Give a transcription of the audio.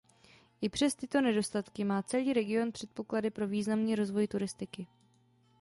I přes tyto nedostatky má celý region předpoklady pro významný rozvoj turistiky.